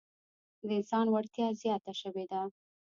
د انسان وړتیا زیاته شوې ده.